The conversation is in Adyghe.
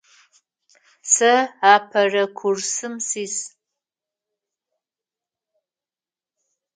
Сэ апэрэ курсым сис.